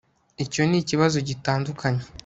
icyo nikibazo gitandukanye